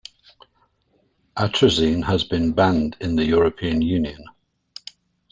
Atrazine has been banned in the European Union.